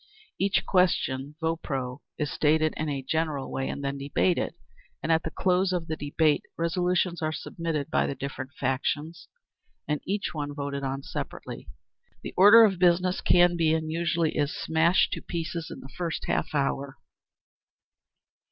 _ Each question (vopros) is stated in a general way and then debated, and at the close of the debate resolutions are submitted by the different factions, and each one voted on separately. The Order of Business can be, and usually is, smashed to pieces in the first half hour.